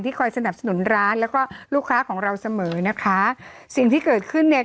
คอยสนับสนุนร้านแล้วก็ลูกค้าของเราเสมอนะคะสิ่งที่เกิดขึ้นเนี่ย